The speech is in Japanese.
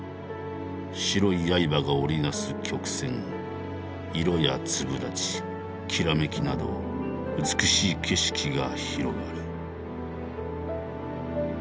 白い刃が織り成す曲線色や粒立ちきらめきなど美しい景色が広がる。